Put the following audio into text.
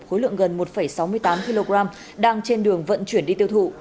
khối lượng gần một sáu mươi tám kg đang trên đường vận chuyển đi tiêu thụ